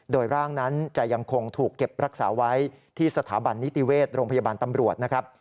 โดยร่างนั้นจะยังคงถูกเก็บรักษาไว้ที่สถาบันนิติเวชโรงพยาบาลตำรวจนะครับ